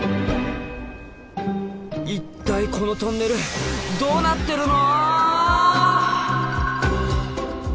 一体このトンネルどうなってるの！